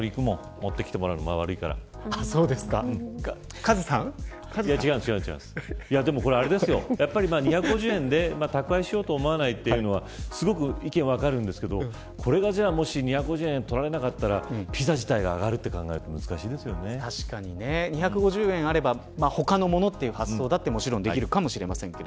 持ってきてもらうのが悪いから２５０円で宅配しようと思わないというのはすごく意見分かるんですけどもし２５０円取られなかったらピザ自体が上がると考えたら２５０円あれば他のものという発想だってもちろんできるかもしれません。